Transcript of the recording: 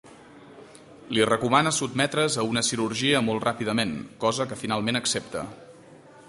Li recomana sotmetre's a una cirurgia molt ràpidament, cosa que finalment accepta.